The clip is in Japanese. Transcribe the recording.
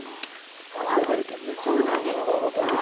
味が出るけんね。